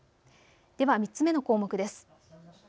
では３つ目の項目です。